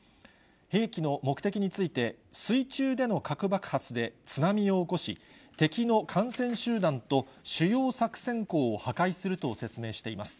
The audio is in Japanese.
兵器の目的について、水中での核爆発で津波を起こし、敵の艦船集団と主要作戦港を破壊すると説明しています。